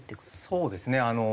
そうですね。